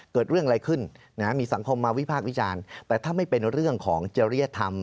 เกิดเรื่องอะไรขึ้นมีสังคมมาวิพากษ์วิจารณ์แต่ถ้าไม่เป็นเรื่องของจริยธรรม